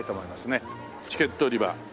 チケット売り場。